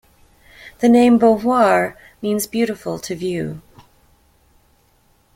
The name "Beauvoir" means "beautiful to view".